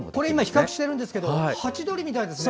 比較してるんですがハチドリみたいですね。